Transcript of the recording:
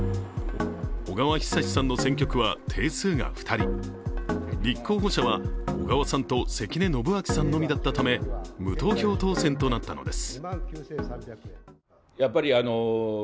小川寿士さんの選挙区は定数が２人立候補者は小川さんと関根信明さんのみだったため無投票当選となったのです。